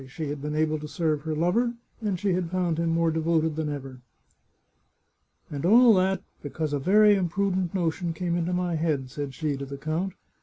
She had been able to serve her lover, and she had found him more devoted than ever. " And all that because a very imprudent notion came into my head," said she to the count.